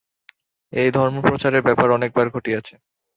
এই ধর্মপ্রচারের ব্যাপার অনেকবার ঘটিয়াছে।